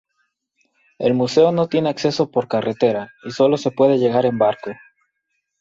El museo no tiene acceso por carretera, y solo se puede llegar en barco.